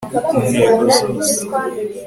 Ku ntego zose